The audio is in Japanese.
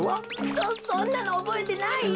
そそんなのおぼえてないよ！